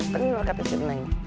tengok kakek si neng